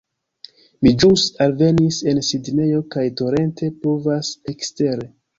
Mi ĵus alvenis en Sidnejo kaj torente pluvas ekstere